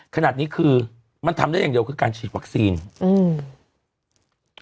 ขนาดนี้คือมันทำได้อย่างเดียวคือการฉีดวัคซีนอืม